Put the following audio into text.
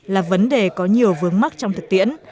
là vấn đề có nhiều vướng mắt trong thực tiễn